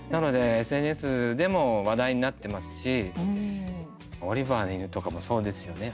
なので、ＳＮＳでも話題になってますし「オリバーな犬」とかもそうですよね。